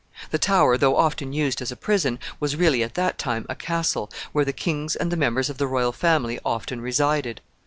The Tower, though often used as a prison, was really, at that time, a castle, where the kings and the members of the royal family often resided.